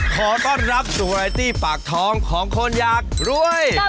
ขอต้อนรับสุรายตี้ปากท้องของคนอยากรวย